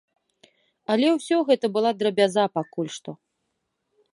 Але ўсё гэта была драбяза пакуль што.